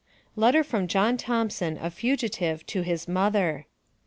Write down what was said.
LETTER FROM JOHN THOMPSON, A FUGITIVE, TO HIS MOTHER.